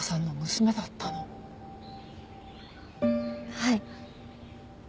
はい。